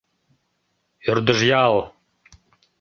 Ӧрдыж ял.